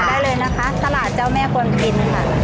ได้เลยนะคะตลาดเจ้าแม่กวนพินค่ะ